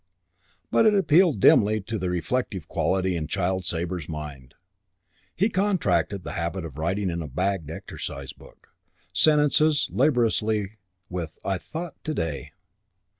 But it appealed, dimly, to the reflective quality in the child Sabre's mind. He contracted the habit of writing, in a "bagged" exercise book, sentences beginning laboriously with "I thought to day